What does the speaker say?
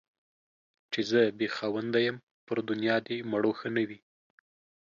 چي زه بې خاونده يم ، پر دنيا دي مړوښه نه وي.